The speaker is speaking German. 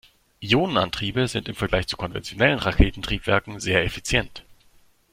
Ionenantriebe sind im Vergleich zu konventionellen Raketentriebwerken sehr effizient.